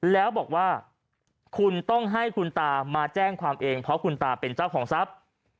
แล้วบอกว่าคุณต้องให้คุณตามาแจ้งความเองเพราะคุณตาเป็นเจ้าของทรัพย์